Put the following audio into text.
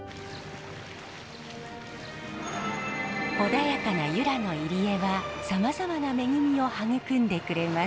穏やかな由良の入り江はさまざまな恵みを育んでくれます。